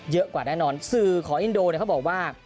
เยอะกว่าแน่นอนสื่อของอินโดเนี่ยเขาบอกว่า